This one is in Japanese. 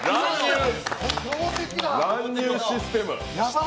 乱入システム！